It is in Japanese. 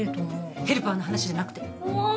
ヘルパーの話じゃなくて。